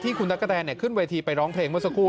คุณตั๊กกะแตนขึ้นเวทีไปร้องเพลงเมื่อสักครู่